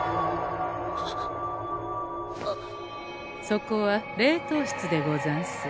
そこは冷凍室でござんす。